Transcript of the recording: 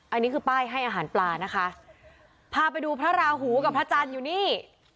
อันนี้คือป้ายให้อาหารปลานะคะพาไปดูพระราหูกับพระจันทร์อยู่นี่